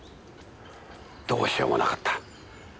どうしようもなかった。